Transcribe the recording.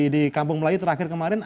di kampung melayu terakhir kemarin